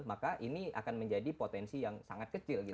maka ini akan menjadi potensi yang sangat kecil gitu